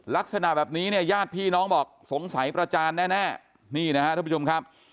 ลักษณะแบบนี้เนี่ยญาติพี่น้องบอกสงสัยประจานแน่นี่นะครับท่านผู้ชมครับ